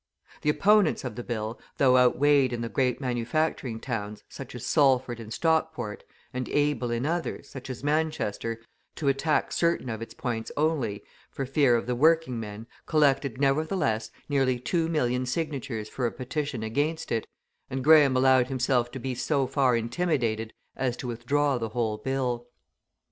The opponents of the bill, though outweighed in the great manufacturing towns, such as Salford and Stockport, and able in others, such as Manchester, to attack certain of its points only, for fear of the working men, collected nevertheless nearly two million signatures for a petition against it, and Graham allowed himself to be so far intimidated as to withdraw the whole bill.